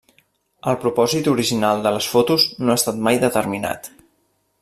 El propòsit original de les fotos no ha estat mai determinat.